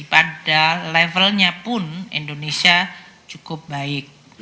pada levelnya pun indonesia cukup baik